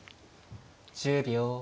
１０秒。